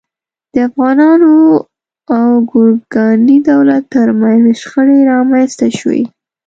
د افغانانو او ګورکاني دولت تر منځ شخړې رامنځته شوې.